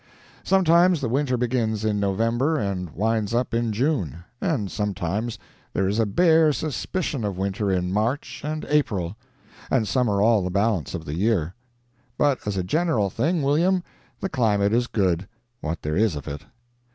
Sometimes the winter begins in November and winds up in June; and sometimes there is a bare suspicion of winter in March and April, and summer all the balance of the year. But as a general thing, William, the climate is good, what there is of it.